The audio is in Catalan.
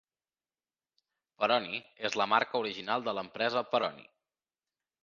"Peroni" és la marca original de l'empresa Peroni.